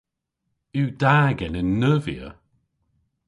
Yw da genen neuvya?